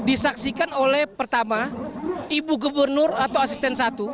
disaksikan oleh pertama ibu gubernur atau asisten satu